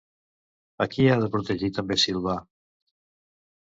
A qui ha de protegir també Silvà?